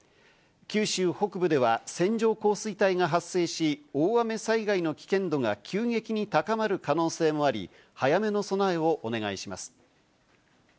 九州北部では線状降水帯が発生し、大雨災害の危険度が急激に高まる可能性もあり、早めの備えをお願いします。